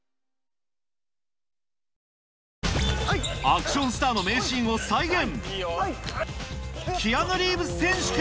アクションスターの名シーンを再現！